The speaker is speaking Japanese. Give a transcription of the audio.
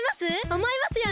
おもいますよね！